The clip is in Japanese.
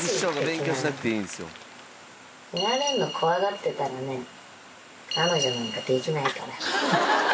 フラれるの怖がってたらね、彼女なんかできないから。